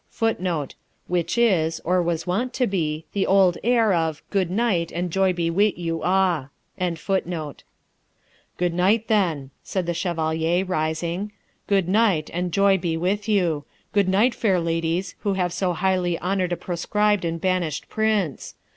[Footnote: Which is, or was wont to be, the old air of 'Good night and joy be wi' you a'.] 'Good night, then,' said the Chevalier, rising; 'goodnight, and joy be with you! Good night, fair ladies, who have so highly honoured a proscribed and banished Prince!